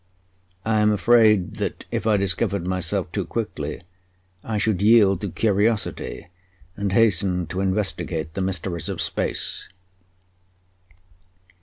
I am afraid that if I dissevered myself too quickly, I should yield to curiosity and hasten to investigate the mysteries of space."